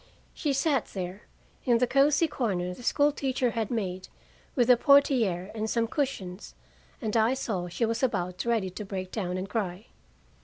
She sat there, in the cozy corner the school teacher had made with a portière and some cushions, and I saw she was about ready to break down and cry.